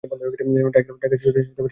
Tiger, ছুটির দিন শেষ আবার কাজে ফিরে আসো।